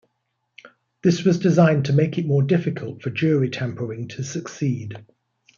This was designed to make it more difficult for jury tampering to succeed.